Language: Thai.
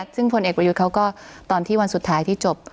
ซึ่งผลเอกประยุทธ์เขาก็ตอนที่วันสุดท้ายที่จบ